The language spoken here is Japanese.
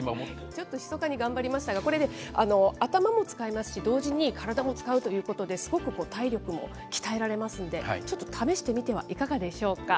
ちょっとひそかに頑張りましたが、これね、頭も使いますし、同時に体も使うということで、すごく体力も鍛えられますんで、ちょっと試してみてはいかがでしょうか。